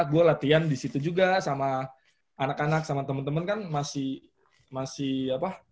gue latihan di situ juga sama anak anak sama temen temen kan masih masih apa